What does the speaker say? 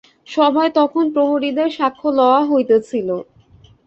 সভায় তখন প্রহরীদের সাক্ষ্য লওয়া হইতেছিল।